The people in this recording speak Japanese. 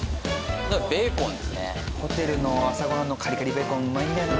ホテルの朝ご飯のカリカリベーコンうまいんだよな。